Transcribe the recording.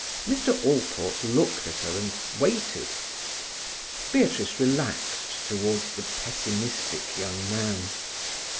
Mr. Allport looked at her and waited. Beatrice relaxed toward the pessimistic young man.